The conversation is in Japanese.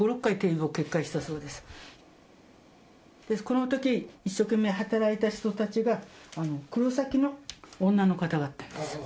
この時一生懸命働いた人たちが黒崎の女の方だったんですよ。